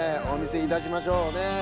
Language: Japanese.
おみせいたしましょうね。